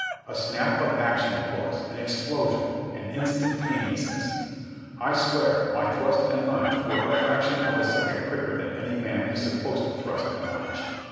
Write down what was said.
A snap of action it was, an explosion, an instantaneousness. I swear my thrust and lunge were a fraction of a second quicker than any man is supposed to thrust and lunge.